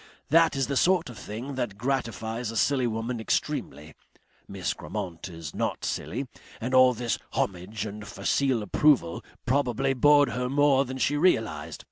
That is the sort of thing that gratifies a silly woman extremely. Miss Grammont is not silly and all this homage and facile approval probably bored her more than she realized.